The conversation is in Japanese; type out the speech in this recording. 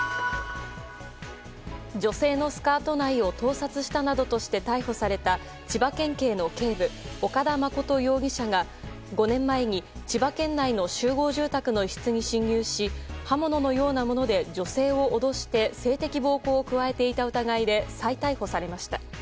女性のスカート内を盗撮したなどとして逮捕された千葉県警の警部、岡田誠容疑者が５年前に、千葉県内の集合住宅の一室に侵入し刃物のようなもので女性を脅して性的暴行を加えていた疑いで再逮捕されました。